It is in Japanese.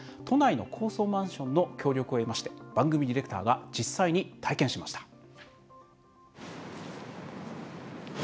都内の高層マンションの協力を得まして番組ディレクターが実際に体験しました。